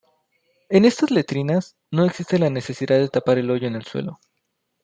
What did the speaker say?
En estas letrinas no existe la necesidad de tapar el hoyo en el suelo.